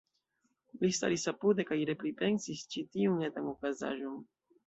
Li staris apude, kaj repripensis ĉi tiun etan okazaĵon.